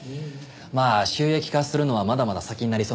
まあ収益化するのはまだまだ先になりそうなんですが。